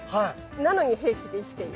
なのに平気で生きている。